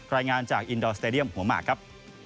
รายงานจากอินดอร์สเตดียมหัวหมากครับ